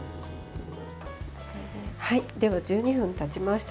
では、１２分たちました。